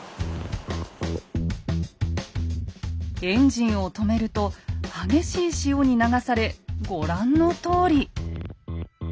エンジンを止めると激しい潮に流されご覧のとおり。